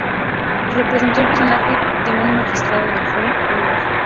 Representó el personaje de un magistrado en el film "Oliver!